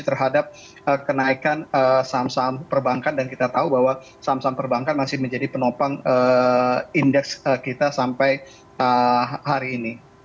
terhadap kenaikan saham saham perbankan dan kita tahu bahwa saham saham perbankan masih menjadi penopang indeks kita sampai hari ini